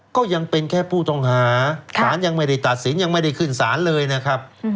ก็ยังเป็นแค่ผู้ต้องหาสารยังไม่ได้ตัดสินยังไม่ได้ขึ้นศาลเลยนะครับ